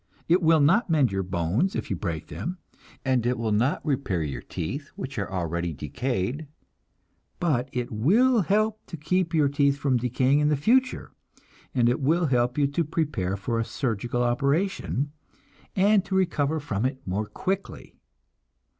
It will not mend your bones if you break them, and it will not repair your teeth that are already decayed; but it will help to keep your teeth from decaying in the future, and it will help you to prepare for a surgical operation, and to recover from it more quickly.